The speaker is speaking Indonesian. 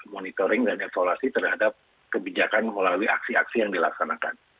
monitoring dan evaluasi terhadap kebijakan melalui aksi aksi yang dilaksanakan